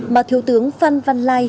mà thiếu tướng phan văn lan đã đưa ra